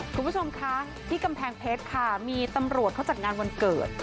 คุณผู้ชมคะที่กำแพงเพชรค่ะมีตำรวจเขาจัดงานวันเกิด